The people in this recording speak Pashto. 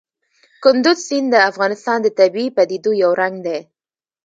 کندز سیند د افغانستان د طبیعي پدیدو یو رنګ دی.